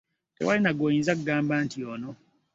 Tewali na gw'oyinza kugamba nti ono.